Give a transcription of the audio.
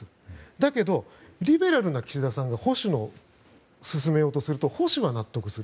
だけど、リベラルな岸田さんが保守を進めようとすると保守は納得する。